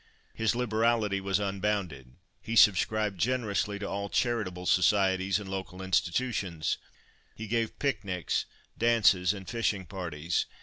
His liberality was unbounded. He subscribed generously to all charitable societies and local institutions. He gave picnics, dances and fishing parties.